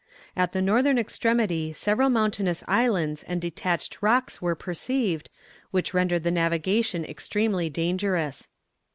At the northern extremity several mountainous islands and detached rocks were perceived, which rendered the navigation extremely dangerous.